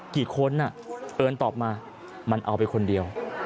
กี่คนเอิญตอบมามันเอาไปคนเดียว